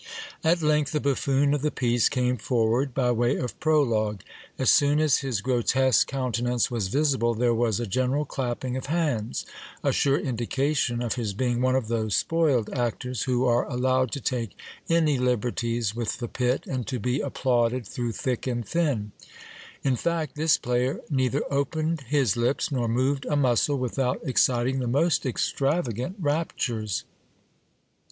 At length the buffoon of the piece came forward by way of prologue. As soon as his grotesque countenance was visible, there was a general clapping of hands ; a sure indication of his being one of those spoiled actors, who are al lowed to take any liberties with the pit, and to be applauded through thick and thin In fact, this player neither opened his lips, nor moved a muscle, without 238 GIL BLAS. exciting the most extravagant raptures.